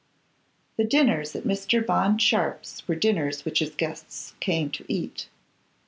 The dinners at Mr. Bond Sharpe's were dinners which his guests came to eat.